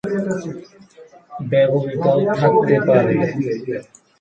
ব্যবহৃত থাকতে পারে।